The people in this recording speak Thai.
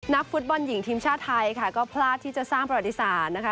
ฟุตบอลหญิงทีมชาติไทยค่ะก็พลาดที่จะสร้างประวัติศาสตร์นะคะ